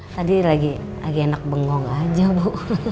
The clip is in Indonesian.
tadi lagi enak bengong aja bu